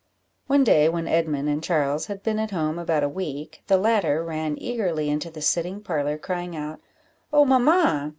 One day, when Edmund and Charles had been at home about a week, the latter ran eagerly into the sitting parlour, crying out "Oh, mamma!